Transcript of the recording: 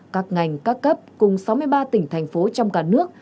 các ngành các cấp cùng sáu mươi ba tỉnh thành phố trong cả nước